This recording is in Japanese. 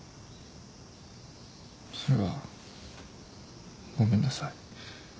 それはごめんなさい。